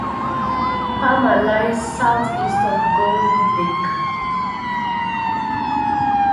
Palmer lies southeast of Gong Lake.